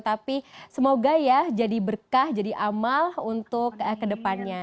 tapi semoga ya jadi berkah jadi amal untuk kedepannya